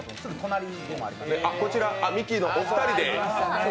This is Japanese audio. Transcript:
こちらミキのお二人で。